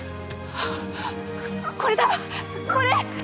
あっこれだこれ！